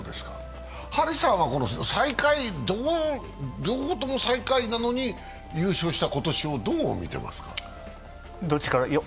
張さんは両方とも最下位なのに優勝した今年をどう見てますか？